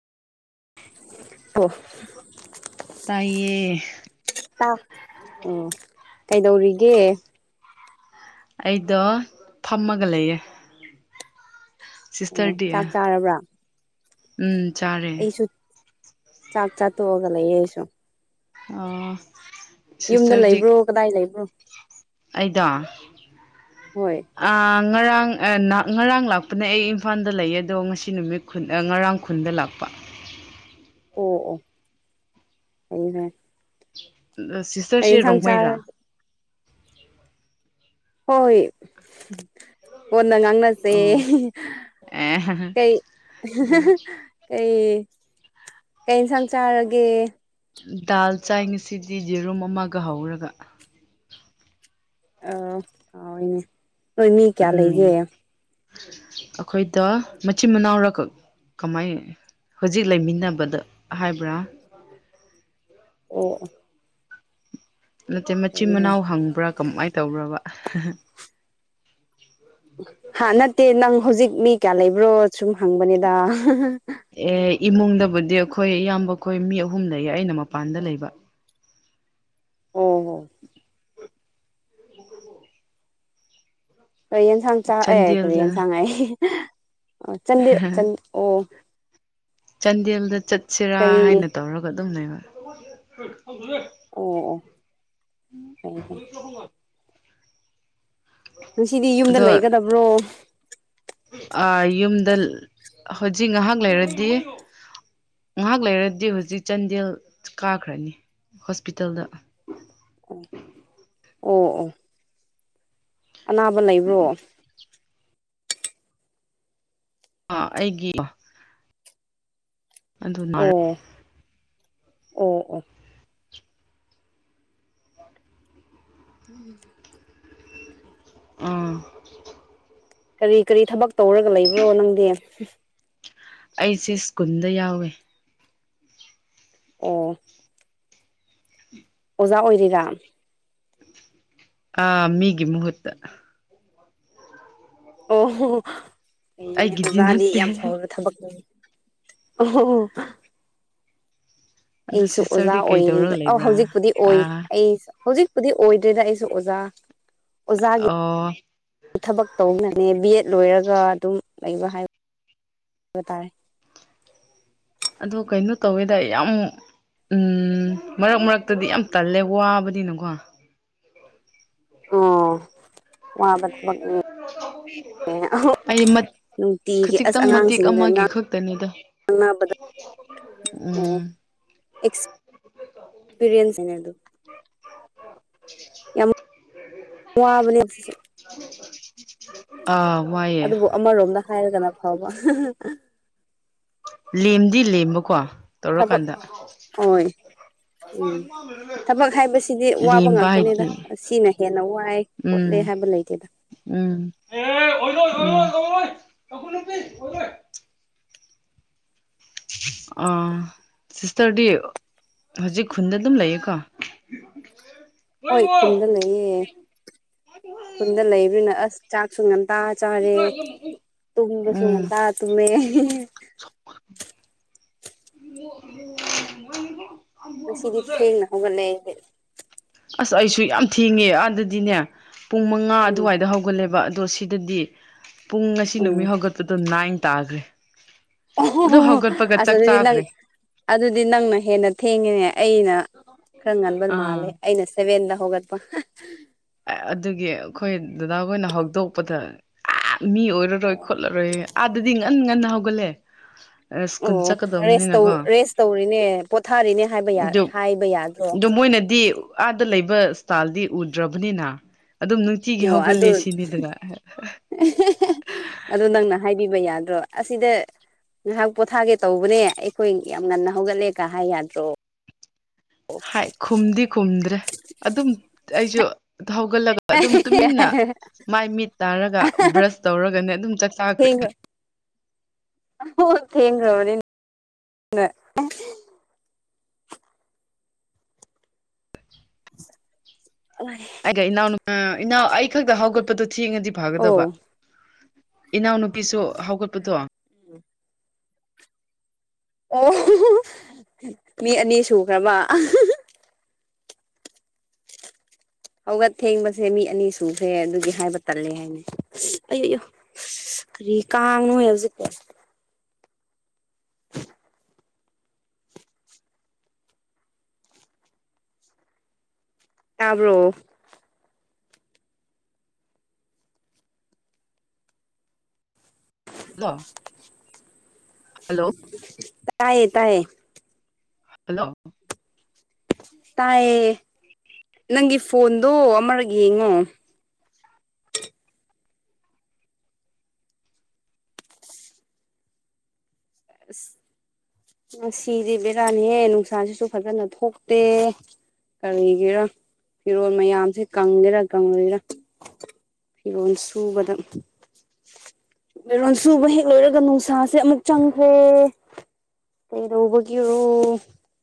ꯎꯝ ꯇꯥꯏꯌꯦ ꯇꯥ ꯑꯝ ꯀꯩꯗꯧꯔꯤꯒꯦ ꯑꯩꯗꯣ ꯐꯝꯃꯒ ꯂꯩꯌꯦ ꯑꯣ ꯁꯤꯁꯇꯔꯗꯤ ꯆꯥꯛ ꯆꯥꯔꯕ꯭ꯔꯥ ꯎꯝ ꯆꯥꯔꯦ ꯑꯩꯁꯨ ꯆꯥꯛ ꯆꯥ ꯇꯣꯛ ꯑꯒ ꯂꯩꯌꯦ ꯑꯩꯁꯨ ꯑꯣ ꯌꯨꯝꯗ ꯁꯤꯁꯇꯔꯗꯤ ꯂꯩꯕ꯭ꯔꯣ ꯀꯗꯥꯏ ꯂꯩꯕ꯭ꯔꯣ ꯑꯩꯗꯣ ꯍꯣꯏ ꯑꯥ ꯉꯔꯥꯡ ꯉꯔꯥꯡ ꯂꯥꯛꯄꯅꯦ ꯑꯩ ꯏꯝꯐꯥꯜꯗ ꯂꯩ ꯑꯗꯣ ꯉꯁꯤ ꯅꯨꯃꯤꯠ ꯈꯨꯟ ꯉꯔꯥꯡ ꯈꯨꯟꯗ ꯂꯥꯛꯄ ꯑꯣ ꯑꯣ ꯐꯩꯅꯦ ꯁꯤꯁꯇꯔꯁꯦ ꯔꯣꯡꯃꯩꯔꯥ ꯍꯣꯏ ꯀꯣꯟꯅ ꯉꯥꯡꯅꯁꯦ ꯑꯣ ꯑꯦ ꯀꯩ ꯀꯩ ꯀꯩ ꯏꯟꯁꯥꯡ ꯆꯥꯔꯒꯦ ꯗꯥꯜ ꯆꯥꯏ ꯉꯁꯤꯗꯤ ꯌꯦꯔꯨꯝ ꯑꯃꯒ ꯍꯧꯔꯒ ꯑꯣ ꯍꯧꯌꯦꯅꯦ ꯅꯣꯏ ꯃꯤ ꯀꯌꯥ ꯂꯩꯒꯦ ꯑꯈꯣꯏꯗ ꯃꯆꯤꯟ ꯃꯅꯥꯎꯔ ꯀꯃꯥꯏ ꯍꯧꯖꯤꯛ ꯂꯩꯃꯤꯟꯅꯕꯗ ꯍꯥꯏꯕ꯭ꯔꯥ ꯑꯣꯑꯣ ꯅꯠꯇꯦ ꯃꯆꯤꯟ ꯃꯅꯥꯎ ꯍꯪꯕ꯭ꯔꯥ ꯀꯃꯥꯏꯅ ꯇꯧꯕ꯭ꯔꯕ ꯍꯥ ꯅꯠꯇꯦ ꯅꯪ ꯍꯧꯖꯤꯛ ꯃꯤ ꯀꯌꯥ ꯂꯩꯕ꯭ꯔꯣ ꯁꯨꯝ ꯍꯪꯕꯅꯦꯗ ꯑꯦ ꯏꯃꯨꯡꯗꯕꯨꯗꯤ ꯑꯩꯈꯣꯏ ꯏꯌꯥꯝꯕ ꯑꯩꯈꯣꯏ ꯃꯤ ꯑꯍꯨꯝ ꯂꯩꯌꯦ ꯑꯩꯅ ꯃꯄꯥꯟꯗ ꯂꯩꯕ ꯑꯣ ꯍꯣ ꯀꯔꯤ ꯌꯦꯟꯁꯥꯡ ꯆꯥꯔꯛꯑꯦ ꯀꯔꯤ ꯆꯥꯟꯗꯦꯜꯗ ꯌꯦꯟꯁꯥꯡ ꯍꯥꯏꯌꯦ ꯑꯣ ꯆꯟꯗꯦꯟ ꯆꯟꯗꯦꯟ ꯑꯣ ꯆꯥꯟꯗꯦꯜꯗ ꯆꯠꯁꯤꯔꯥ ꯀꯔꯤ ꯍꯥꯏꯅ ꯇꯧꯔꯒ ꯑꯗꯨꯝ ꯂꯩꯕ ꯑꯣ ꯑꯣ ꯐꯩ ꯐꯩ [unintelligible] ꯉꯁꯤꯗꯤ ꯌꯨꯝꯗ ꯑꯗꯣ ꯂꯩꯒꯗꯕ꯭ꯔꯣ ꯑꯥ ꯌꯨꯝꯗ ꯍꯧꯖꯤꯛ ꯉꯥꯏꯍꯥꯛ ꯂꯩꯔꯗꯤ ꯉꯥꯏꯍꯥꯛ ꯂꯩꯔꯗꯤ ꯍꯧꯖꯤꯛ ꯆꯥꯟꯗꯦꯜ ꯀꯥꯈ꯭ꯔꯅꯤ ꯍꯣꯁꯄꯤꯇꯥꯜꯗ ꯑꯣ ꯑꯣ ꯑꯣ ꯑꯅꯥꯕ ꯂꯩꯕ꯭ꯔꯣ ꯑꯥ ꯑꯩꯒꯤ ꯑꯗꯨ ꯅꯔꯦ ꯑꯣ ꯑꯣ ꯑꯣ ꯎꯝ ꯑꯥ ꯀꯔꯤ ꯀꯔꯤ ꯊꯕꯛ ꯇꯧꯔꯒ ꯂꯩꯕ꯭ꯔꯣ ꯅꯪꯗꯤ ꯑꯩꯁꯦ ꯁ꯭ꯀꯨꯜꯗ ꯌꯥꯎꯋꯦ ꯑꯣ ꯑꯣꯖꯥ ꯑꯣꯏꯔꯤꯔꯥ ꯑꯥ ꯃꯤꯒꯤ ꯃꯨꯍꯨꯠꯇ ꯑꯣꯍꯣ ꯑꯩꯅꯦ ꯑꯩꯒꯤꯗꯤ ꯑꯣꯖꯥꯗꯤ ꯅꯠꯇꯦ ꯌꯥꯝ ꯐꯅ ꯊꯕꯛ ꯅꯤꯅꯦ ꯑꯣꯑꯣ ꯑꯗꯨ ꯑꯩꯁꯨ ꯑꯣꯖꯥ ꯁꯤꯁꯇꯔꯗꯤ ꯀꯩꯗꯧꯔꯒ ꯑꯣꯏꯔꯤꯕ ꯑꯧ ꯂꯩꯕ꯭ꯔꯥ ꯍꯧꯖꯤꯛꯄꯨꯗꯤ ꯑꯣꯏ ꯑꯥ ꯑꯩ ꯍꯧꯖꯤꯛꯄꯨꯗꯤ ꯑꯣꯏꯗ꯭ꯔꯦꯗ ꯑꯩꯁꯨ ꯑꯣꯖꯥ ꯑꯣꯖꯥꯒꯤ ꯑꯣ ꯊꯕꯛ ꯇꯧꯅꯅꯦ ꯕꯤ ꯑꯦꯗ ꯂꯣꯏꯔꯒ ꯒ ꯑꯗꯨꯝ ꯂꯩꯕ ꯍꯥꯏꯕ ꯍꯥꯏꯕ ꯇꯥꯔꯦ ꯑꯗꯣ ꯀꯩꯅꯣ ꯇꯧꯋꯦꯗ ꯌꯥꯝ ꯎꯝ ꯃꯔꯛ ꯃꯔꯛꯇꯗꯤ ꯌꯥꯝ ꯇꯜꯂꯦ ꯋꯥꯕꯅꯤꯅꯀꯣ ꯑꯣ ꯋꯥꯕ ꯊꯕꯛꯅꯦ ꯑꯩ ꯃꯠ ꯅꯨꯡꯇꯤꯒꯤ ꯈꯖꯤꯛꯇꯪ ꯃꯇꯦꯛ ꯑꯃꯒꯤ ꯈꯛꯇꯅꯤꯗ ꯈꯪꯅꯕꯗ ꯎꯝ ꯑꯦꯛꯄꯤꯔꯤꯟꯁꯅꯦ ꯑꯗꯨ ꯌꯥꯝ ꯋꯥꯕꯅꯦ ꯁꯤꯁꯨ ꯑꯥ ꯋꯥꯏꯌꯦ ꯑꯗꯨꯕꯨ ꯑꯃꯔꯣꯝꯗ ꯍꯥꯏꯔꯒꯅ ꯐꯥꯕ ꯂꯦꯝꯗꯤ ꯂꯦꯝꯕꯀꯣ ꯊꯕꯛ ꯇꯧꯔꯀꯥꯟꯗ ꯑꯣꯏ ꯎꯝ ꯊꯕꯛ ꯍꯥꯏꯕꯁꯤꯗꯤ ꯋꯥꯕ ꯂꯦꯝꯕ ꯉꯥꯛꯇꯅꯤꯗ ꯍꯥꯏꯗꯤ ꯁꯤꯅ ꯍꯦꯟꯅ ꯋꯥꯏ ꯈꯣꯠꯂꯦ ꯎꯝ ꯍꯥꯏꯕ ꯂꯩꯇꯦꯗ ꯎꯝ ꯑꯦ ꯑꯣꯢꯔꯣꯢ ꯑꯣꯢꯔꯣꯢ ꯇꯪꯈꯨꯜ ꯅꯨꯄꯤ ꯑꯣꯢꯔꯣꯢ ꯑꯥ ꯁꯤꯁꯇꯔꯗꯤ ꯍꯧꯖꯤꯛ ꯈꯨꯟꯗ ꯑꯗꯨꯝ ꯂꯩꯌꯦꯀꯣ ꯍꯣꯏ ꯈꯨꯟꯗ ꯂꯩꯌꯦ ꯈꯨꯟꯗ ꯂꯩꯕꯅꯤꯅ ꯑꯁ ꯆꯥꯛꯁꯨ ꯉꯟ ꯇ ꯆꯥꯔꯦ ꯇꯨꯝꯕꯁꯨ ꯎꯝ ꯉꯇꯥ ꯇꯨꯝꯃꯦ [inaudible] [unintelligible] ꯉꯁꯤꯗꯤ ꯊꯦꯡꯅ ꯍꯧꯒꯠꯂꯦ ꯑꯁ ꯑꯩꯁꯨ ꯌꯥꯝ ꯊꯦꯡꯉꯦ ꯑꯥꯗꯗꯤꯅꯦ ꯄꯨꯡ ꯃꯉꯥ ꯎꯝ ꯑꯗꯨꯋꯥꯏꯗ ꯍꯧꯒꯠꯂꯦꯕ ꯑꯗꯣ ꯁꯤꯗꯗꯤ ꯄꯨꯡ ꯉꯁꯤ ꯎꯝ ꯅꯨꯃꯤꯠ ꯍꯧꯒꯠꯄꯗꯣ ꯅꯥꯏꯟ ꯇꯥꯗ꯭ꯔꯤ ꯑꯣ ꯍꯣ ꯍꯣ ꯍꯣ ꯑꯗꯨ ꯑꯁ ꯑꯗꯨꯗꯤ ꯅꯪ ꯑꯗꯨꯗꯤ ꯅꯪꯅ ꯍꯦꯟꯅ ꯊꯦꯡꯉꯤꯅꯦ ꯑꯩꯅ ꯈꯔ ꯉꯟꯕ ꯃꯥꯜꯂꯦ ꯑꯥ ꯑꯩꯅ ꯁꯦꯕꯦꯟꯗ ꯍꯧꯒꯠꯄ ꯑꯗꯨꯒꯤ ꯑꯩꯈꯣꯏ ꯗꯗꯥ ꯍꯣꯏꯅ ꯍꯧꯗꯣꯛꯄꯗ ꯑꯛ ꯃꯤ ꯑꯣꯏꯔꯔꯣꯏ ꯈꯣꯠꯂꯔꯣꯏ ꯑꯥꯗꯗꯤ ꯉꯟ ꯉꯟꯅ ꯍꯧꯒꯠꯂꯦ ꯁ꯭ꯀꯨꯜ ꯑꯣ ꯔꯦꯁ ꯇꯧ ꯆꯠꯀꯗꯕꯅꯤꯅꯀꯣ ꯔꯦꯁ ꯇꯧꯔꯤꯅꯦ ꯄꯣꯊꯥꯔꯤꯅꯦ ꯍꯥꯏꯕ ꯍꯥꯏꯕ ꯌꯥꯗ꯭ꯔꯣ ꯃꯣꯢꯅꯗꯤ ꯑꯥꯗ ꯂꯩꯕ ꯏꯁꯇꯥꯏꯜꯗꯤ ꯎꯗ꯭ꯔꯕꯅꯤꯅ ꯑꯗꯨꯝ ꯅꯨꯡꯇꯤꯒꯤ ꯑꯣ ꯍꯧꯒꯠꯂꯦ ꯑꯗꯨ ꯁꯤꯅꯤꯗꯅ ꯑꯗꯨ ꯅꯪꯅ ꯍꯥꯏꯕꯤꯕ ꯌꯥꯗ꯭ꯔꯣ ꯑꯁꯤꯗ ꯉꯥꯏꯍꯥꯛ ꯄꯣꯊꯥꯒꯦ ꯇꯧꯕꯅꯦ ꯑꯩꯈꯣꯏ ꯌꯥꯝ ꯉꯟꯅ ꯍꯧꯒꯠꯂꯦ ꯀꯥꯢ ꯍꯥꯏ ꯌꯥꯗ꯭ꯔꯣ ꯍꯥꯏ ꯈꯨꯝꯗꯤ ꯈꯨꯝꯗ꯭ꯔꯦ ꯑꯗꯨꯝ ꯑꯩꯁꯨ ꯍꯧꯒꯠꯂꯒ ꯑꯗꯨꯝ ꯇꯨꯃꯤꯟꯅ ꯃꯥꯏ ꯃꯤꯠ ꯇꯥꯔꯒ ꯕ꯭ꯔꯁ ꯇꯧꯔꯒꯅꯦ ꯑꯗꯨꯝ ꯆꯥꯛꯆꯥꯈ꯭ꯔꯦ ꯍꯣ ꯊꯦꯡꯈ꯭ꯔꯕꯅꯤꯅ [inaudible] ꯑꯩꯒ ꯏꯅꯥꯎ ꯏꯅꯥꯎ ꯑꯩ ꯈꯛꯇ ꯍꯧꯒꯠꯄꯗꯣ ꯊꯦꯡꯉꯗꯤ ꯐꯥꯒꯗꯕ ꯑꯣ ꯏꯅꯥꯎꯅꯨꯄꯤꯁꯨ ꯍꯧꯒꯠꯄꯗꯣ [unintelligible] ꯑꯣ ꯃꯤ ꯑꯅꯤ ꯁꯨꯈ꯭ꯔꯕ ꯍꯧꯒꯠ ꯊꯦꯡꯕꯁꯦ ꯃꯤ ꯑꯅꯤ ꯁꯨꯈ꯭ꯔꯦ ꯑꯗꯨꯒꯤ ꯍꯥꯏꯕ ꯇꯜꯂꯦ ꯍꯥꯏꯅꯤ ꯀꯔꯤ ꯀꯥꯡꯅꯣ ꯍꯧꯖꯤꯛ ꯇꯥꯕ꯭ꯔꯣ ꯍꯜꯂꯣ ꯇꯥꯏꯌꯦ ꯇꯥꯏꯌꯦ ꯍꯜꯂꯣ ꯇꯥꯏꯌꯦ ꯅꯪꯒꯤ ꯐꯣꯟꯗꯣ ꯑꯃꯔꯛ ꯌꯦꯡꯉꯣ ꯑꯁ ꯉꯁꯤꯗꯤ ꯕꯦꯔꯥꯅꯤꯍꯦ ꯅꯨꯡꯁꯥꯁꯤꯁꯨ ꯐꯖꯅ ꯊꯣꯛꯇꯦ ꯀꯔꯤꯒꯤꯔꯥ ꯐꯤꯔꯣꯜ ꯃꯌꯥꯝꯁꯦ ꯀꯪꯒꯦꯔꯥ ꯀꯪꯑꯣꯏꯔꯥ ꯐꯤꯔꯣꯜ ꯁꯨꯕꯗ ꯃꯔꯣꯟ ꯁꯨꯕ ꯍꯦꯛ ꯂꯣꯏꯔꯒ ꯅꯨꯡꯁꯥꯁꯦ ꯑꯃꯨꯛ ꯆꯪꯈ꯭ꯔꯦ ꯀꯩꯗꯧꯕꯒꯤ ꯔꯣ